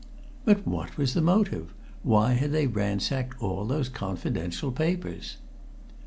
But what was the motive? Why had they ransacked all those confidential papers?